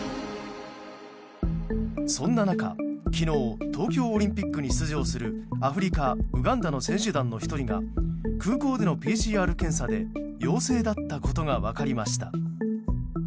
そんな中、昨日東京オリンピックに出場するアフリカ・ウガンダの選手団の１人が空港でのＰＣＲ検査で陽性だったことが分かりました。